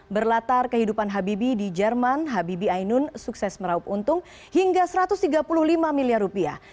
berlatar kehidupan habibie di jerman habibi ainun sukses meraup untung hingga satu ratus tiga puluh lima miliar rupiah